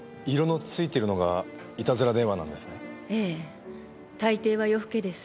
大抵は夜更けです。